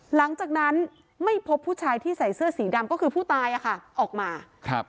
หลังจากนั้นไม่พบผู้ชายที่ใส่เสื้อสีดำก็คือผู้ตายอ่ะค่ะออกมาครับ